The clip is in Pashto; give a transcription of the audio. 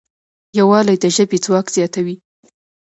یووالی د ژبې ځواک زیاتوي.